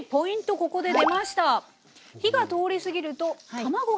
ここで出ました！